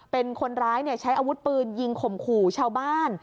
เป็นคนร้ายใช้อาวุธปืนยิงข่มขู่ชาวบ้าน